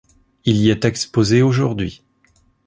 Il y est exposé aujourd'hui.